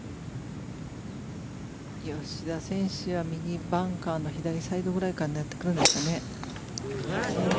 吉田選手は右バンカーの左サイドぐらいから狙ってくるんでしょうね。